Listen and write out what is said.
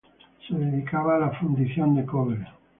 Se dedicaba a la fundición de cobre.